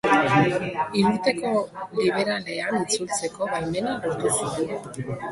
Hirurteko Liberalean itzultzeko baimena lortu zuen.